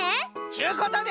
ちゅうことで。